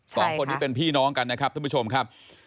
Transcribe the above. สองคนนี้เป็นพี่น้องกันนะครับท่านผู้ชมครับ